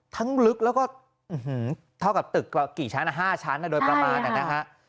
ทั้งลึกแล้วก็เท่ากับตึกกี่ชั้นห้าชั้นโดยประมาณนั้นนะครับ